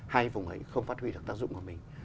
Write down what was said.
hai vùng ấy không phát huy được tác dụng của mình